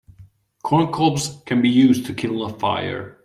Corn cobs can be used to kindle a fire.